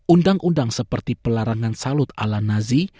undang undang seperti pelarangan salut ala nazi